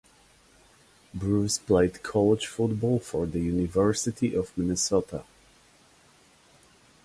Bruce played college football for the University of Minnesota.